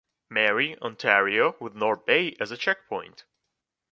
Marie, Ontario, with North Bay as a checkpoint.